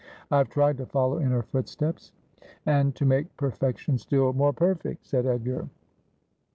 1 have tried to follow in her footsteps.' ' And to make perfection still more perfect,' said Edgar.